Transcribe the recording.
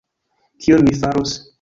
Kion mi faros?